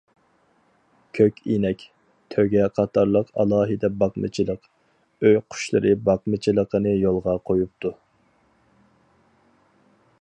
كۆك ئىنەك، تۆگە قاتارلىق ئالاھىدە باقمىچىلىق، ئۆي قۇشلىرى باقمىچىلىقىنى يولغا قويۇپتۇ.